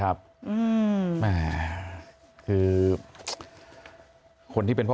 ตังค์อะไรอีก